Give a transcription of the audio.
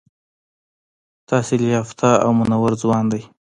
تحصیل یافته او منور ځوان دی.